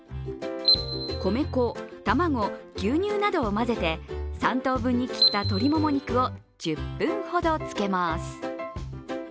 米粉、卵、牛乳などを混ぜて３等分に切った鶏もも肉を１０分ほど漬けます。